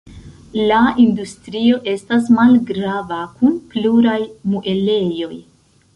La industrio estas malgrava kun pluraj muelejoj.